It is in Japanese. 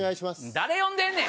誰呼んでんねん！